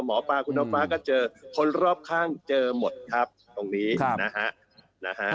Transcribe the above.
หมอปลาคุณน้ำฟ้าก็เจอคนรอบข้างเจอหมดครับตรงนี้นะฮะ